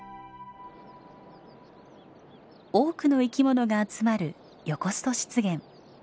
多くの生き物が集まるヨコスト湿原。